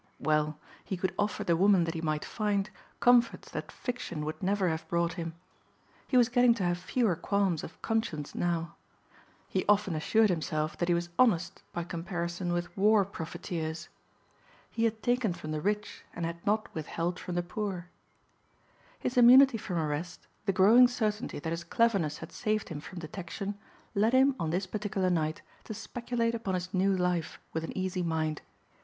Well, he could offer the woman that he might find comforts that fiction would never have brought him. He was getting to have fewer qualms of conscience now. He often assured himself that he was honest by comparison with war profiteers. He had taken from the rich and had not withheld from the poor. His immunity from arrest, the growing certainty that his cleverness had saved him from detection led him on this particular night to speculate upon his new life with an easy mind.